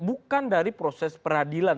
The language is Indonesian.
bukan dari proses peradilan